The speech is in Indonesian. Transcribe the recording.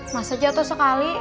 masa jatuh sekali